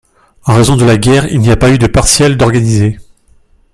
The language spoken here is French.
En raison de la guerre il n'y a pas eu de partielle d'organisée.